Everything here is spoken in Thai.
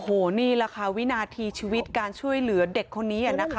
โอ้โหนี่แหละค่ะวินาทีชีวิตการช่วยเหลือเด็กคนนี้นะคะ